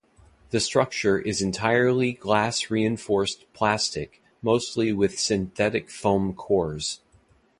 The structure is entirely glass-reinforced plastic mostly with synthetic foam cores.